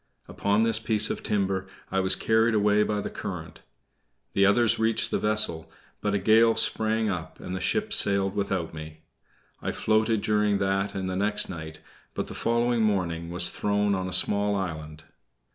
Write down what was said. Upon this piece of timber I was carried away by the current. The others reached the vessel, but a gale sprang up and the ship sailed without me. I floated during that and the next night, but the following morning was thrown on a small island.